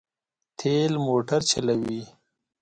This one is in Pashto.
تېل موټر چلوي.